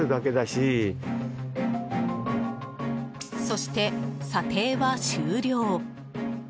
そして、査定は終了。